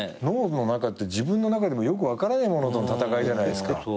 脳の中って自分の中でもよく分からないものとの闘いじゃないですか。